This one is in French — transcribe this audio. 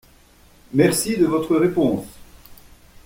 Merci de votre réponse.